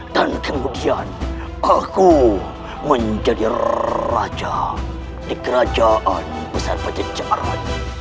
dan kemudian aku menjadi raja di kerajaan besar pejenjaran